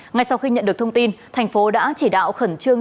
ngay sau khi nhận được thông tin thành phố đã chỉ đạo khẩn trương